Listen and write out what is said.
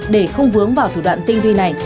để không vướng vào thủ đoạn tinh vi này